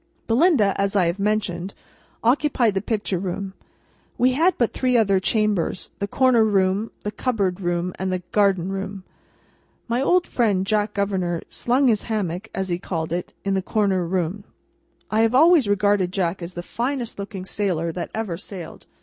Belinda, as I have mentioned, occupied the Picture Room. We had but three other chambers: the Corner Room, the Cupboard Room, and the Garden Room. My old friend, Jack Governor, "slung his hammock," as he called it, in the Corner Room. I have always regarded Jack as the finest looking sailor that ever sailed.